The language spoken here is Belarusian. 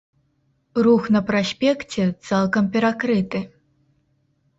Рух на праспекце цалкам перакрыты.